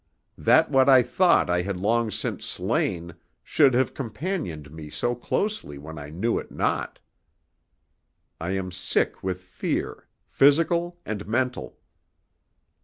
That what I thought I had long since slain should have companioned me so closely when I knew it not! I am sick with fear, physical and mental.